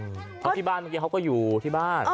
เมื่อกี้เขาก็อยู่ที่บ้าน